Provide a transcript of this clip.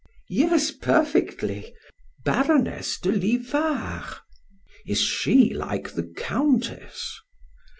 "Yes, perfectly; Baroness de Livar." "Is she like the Countess?"